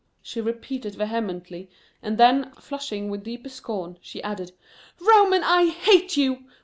she repeated vehemently, and then, flushing with deeper scorn, she added: "Roman, I hate you!